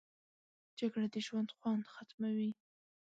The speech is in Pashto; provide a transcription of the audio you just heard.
جګړه د ژوند خوند ختموي